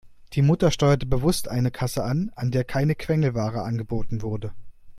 Die Mutter steuerte bewusst eine Kasse an, an der keine Quengelware angeboten wurde.